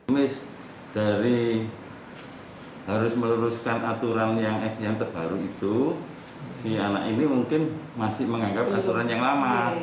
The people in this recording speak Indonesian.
mis dari harus meluruskan aturan yang terbaru itu si anak ini mungkin masih menganggap aturan yang lama